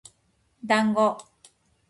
だんご